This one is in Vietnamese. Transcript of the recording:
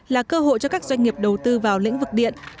là cơ hội cho các doanh nghiệp đầu tư vào lĩnh vực điện